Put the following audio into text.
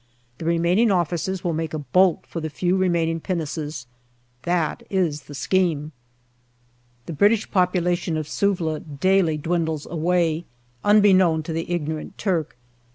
The remaining officers will make a bolt for the few remaining pinnaces. That is the scheme. The British population of Suvla daily dwindles away, unbeknown to the ignorant Turk.